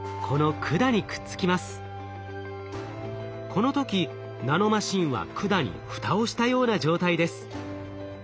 この時ナノマシンは管に蓋をしたような状態です。